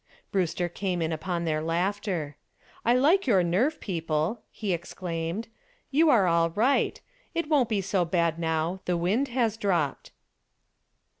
Brewster came in upon their laughter. "I like your nerve, people," he exclaimed, "you are all right. It won't be so bad now. The wind has dropped."